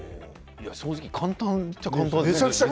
正直簡単っちゃ簡単ですね。